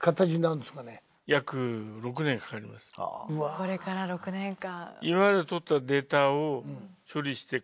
これから６年間。